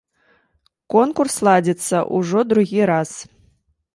Конкурс ладзіцца ўжо другі раз.